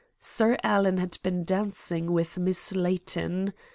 Sir Alan had been dancing with Miss Layton.